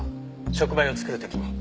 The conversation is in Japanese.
触媒を作る時に。